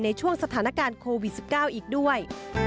ในช่วงสถานการณ์โควิด๑๙อีกด้วย